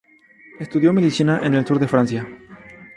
Estudió medicina en el sur de Francia.